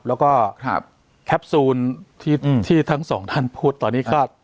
แล้วก็ครับแคปซูนที่อืมที่ทั้งสองท่านพูดตอนนี้ครับ